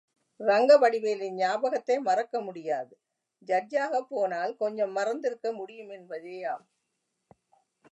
ரங்கவடிவேலுவின் ஞாபகத்தை மறக்க முடியாது ஜட்ஜாகப் போனால், கொஞ்சம் மறந்திருக்க முடியுமென்பதேயாம்.